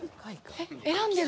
選んでる！